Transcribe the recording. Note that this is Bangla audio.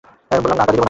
বললাম না গালি দিবে না।